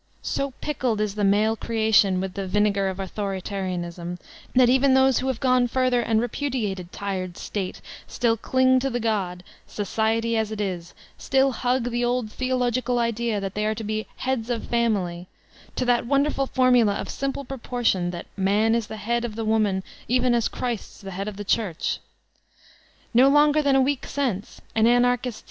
So pickled is the male creation with the vinegar of Authoritarianism, that even those who have gone further and repudiated the State still cling to the god, Society as it b, still hug the old theofegical idea that they are to be "heads of the family" •—to that wonderful formula "of simple proportion'' that "Man is the head of the Woman even as Christ is the head of the Church." No longer than a week since an Anarchist